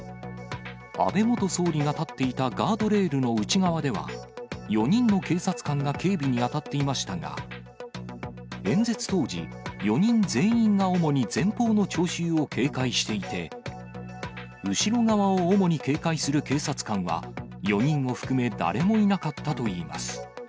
安倍元総理が立っていたガードレールの内側では４人の警察官が警備に当たっていましたが、演説当時、４人全員が主に前方の聴衆を警戒していて、後ろ側を主に警戒する警察官は、４人を含め誰もいなかったといいます。